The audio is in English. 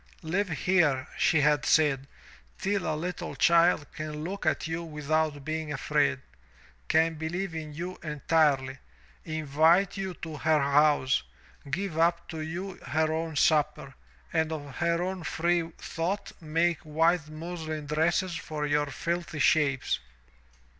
"Live here, she had said, "till a little child can look at you without being afraid; can believe in you entirely, invite you to her house, give up to you her own supper, and of her own free thought make white muslin dresses for your filthy shapes.